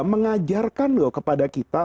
mengajarkan kepada kita